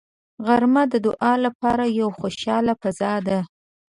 غرمه د دعا لپاره یوه خوشاله فضا ده